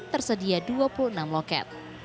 tersedia dua puluh enam loket